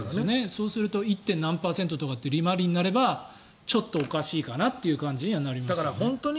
そうすると１．７％とかっていう利回りになればちょっとおかしいかなという感じにはなりますよね。